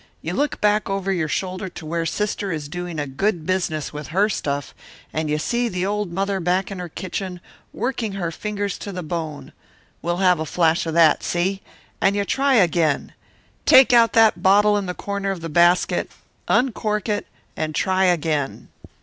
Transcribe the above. You look back over your shoulder to where sister is doing a good business with her stuff, and you see the old mother back in her kitchen, working her fingers to the bone we'll have a flash of that, see? and you try again. Take out that bottle in the corner of the basket, uncork it, and try again.